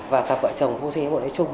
và cặp vợ chồng vô sinh ấm muộn lấy chung